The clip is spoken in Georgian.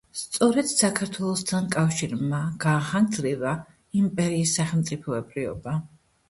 სწორედ საქართველოსთან კავშირმა გაახანგრძლივა იმპერიის სახელმწიფოებრიობა.